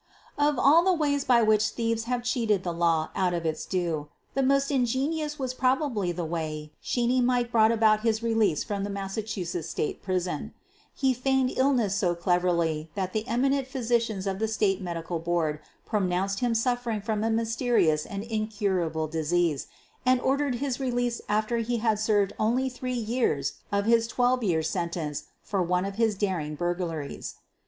Of all the ways by which thieves have cheated the law out of its due, the most ingenious was probably the way "Sheeney Mike" brought about his release from the Massachusetts State Prison. He feigned QUEEN OF THE BURGLARS 79 illness so cleverly that the eminent physicians of the State Medical Board pronounced him suffering from a mysterious and incurable disease and ord ered his release after he had served only three years of his twelve year sentence for one of his daring burglaries.